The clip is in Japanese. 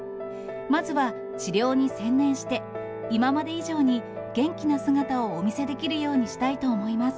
まずは治療に専念して、今まで以上に元気な姿をお見せできるようにしたいと思います。